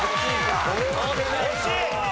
惜しい！